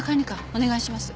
お願いします。